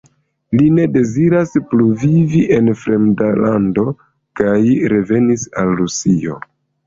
Li ne deziras plu vivi en fremda lando kaj revenis al Rusio.